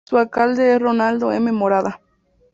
Su alcalde es Ronaldo M. Morada.